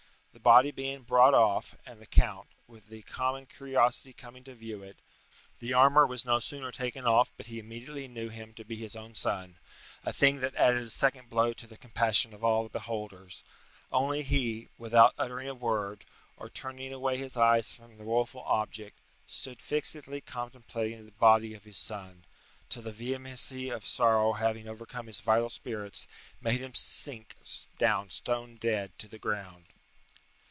The body being brought off, and the count, with the common curiosity coming to view it, the armour was no sooner taken off but he immediately knew him to be his own son, a thing that added a second blow to the compassion of all the beholders; only he, without uttering a word, or turning away his eyes from the woeful object, stood fixedly contemplating the body of his son, till the vehemency of sorrow having overcome his vital spirits, made him sink down stone dead to the ground.